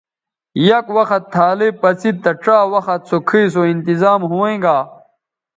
یک وخت تھالئ پڅید تہ ڇا وخت سو کھئ سو انتظام ھویں گا